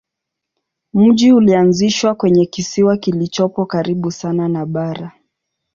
Mji ulianzishwa kwenye kisiwa kilichopo karibu sana na bara.